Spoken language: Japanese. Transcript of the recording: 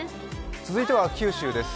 続いては九州です。